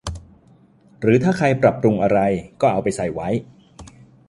หรือถ้าใครปรับปรุงอะไร ก็เอาไปใส่ไว้